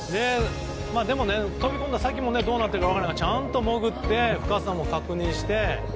でも、飛び込んだ先もどうなっているか分からないからちゃんと潜って深さも確認して。